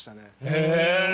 へえ！